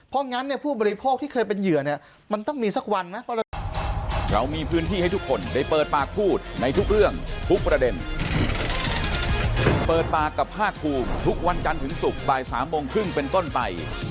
เพราะงั้นผู้บริโภคที่เคยเป็นเหยื่อมันต้องมีสักวันนะ